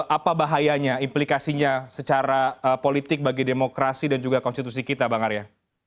apa bahayanya implikasinya secara politik bagi demokrasi dan juga konstitusi kita bang arya